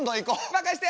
任して！